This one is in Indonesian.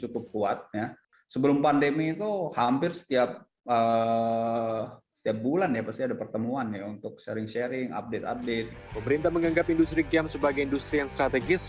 pemerintah menganggap industri game sebagai industri yang strategis